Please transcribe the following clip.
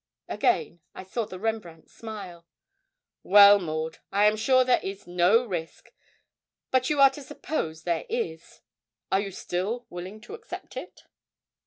Again I saw the Rembrandt smile. 'Well, Maud, I am sure there is no risk; but you are to suppose there is. Are you still willing to accept it?'